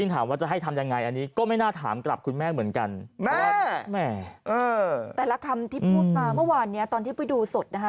แต่ละคำที่พูดมาเมื่อวานนี้ตอนที่ปุ๊ยดูสดครับ